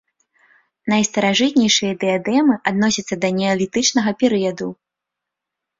Найстаражытнейшыя дыядэмы адносяцца да неалітычнага перыяду.